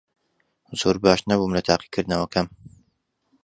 زۆر باش نەبووم لە تاقیکردنەوەکەم.